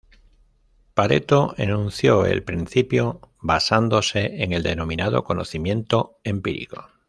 Pareto enunció el principio basándose en el denominado conocimiento empírico.